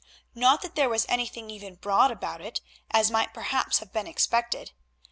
Not that there was anything even broad about it, as might perhaps have been expected.